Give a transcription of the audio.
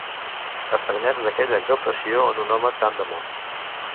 Estranyats d'aquella exaltació en un home tan de món